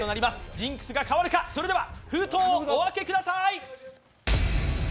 ジンクスが変わるか、それでは封筒をお開けください。